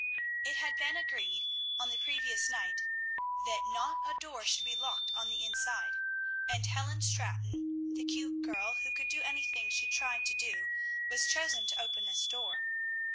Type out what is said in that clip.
It had been agreed on the previous night that not a door should be locked on the inside, and Helen Stratton, "the cute girl," who could do anything she tried to do, was chosen to open this door.